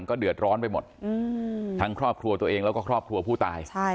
ใช่ค่ะ